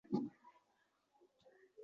Hayotda qoqilishlar hammamizda uchraydi.